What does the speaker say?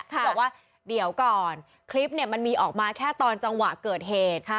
เขาบอกว่าเดี๋ยวก่อนคลิปมันมีออกมาแค่ตอนจังหวะเกิดเหตุ